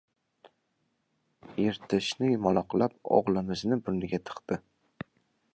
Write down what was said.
Yirtishni yumaloqlab o‘g‘limizni burniga tiqdi.